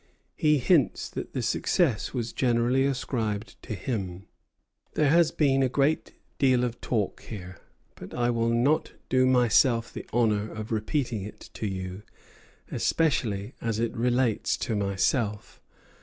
He hints that the success was generally ascribed to him. "There has been a great deal of talk here; but I will not do myself the honor of repeating it to you, especially as it relates to myself.